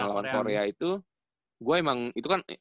lawan korea itu gua emang itu kan